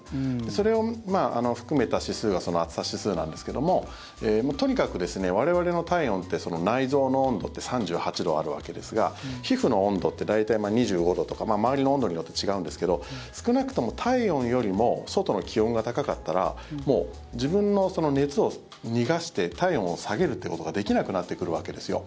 それを含めた指数がその暑さ指数なんですけどもとにかく我々の体温って内臓の温度って３８度あるわけですが皮膚の温度って大体２５度とか周りの温度によって違うんですけど少なくとも体温よりも外の気温が高かったら自分の熱を逃がして体温を下げるっていうことができなくなってくるわけですよ。